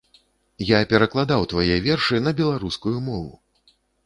Я перакладаў твае вершы на беларускую мову!